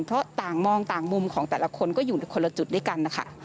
เพราะต่างมองต่างมุมของแต่ละคนก็อยู่คนละจุดด้วยกันนะคะ